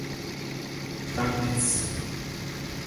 Tapes